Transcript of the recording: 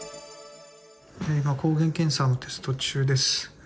今、抗原検査のテスト中です。